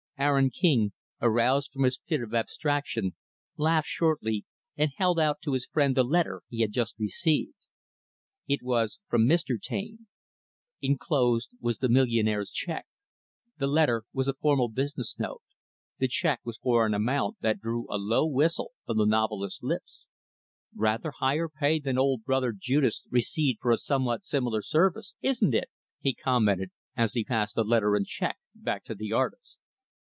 Aaron King, aroused from his fit of abstraction, laughed shortly, and held out to his friend the letter he had just received. It was from Mr. Taine. Enclosed was the millionaire's check. The letter was a formal business note; the check was for an amount that drew a low whistle from the novelist's lips. "Rather higher pay than old brother Judas received for a somewhat similar service, isn't it," he commented, as he passed the letter and check back to the artist.